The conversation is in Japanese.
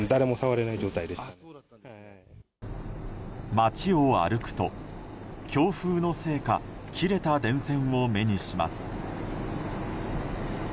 街を歩くと、強風のせいか切れた電線を目にします。